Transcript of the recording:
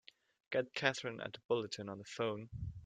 Get Katherine at the Bulletin on the phone!